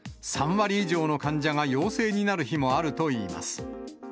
３割以上の患者が陽性になる日もあるといいます。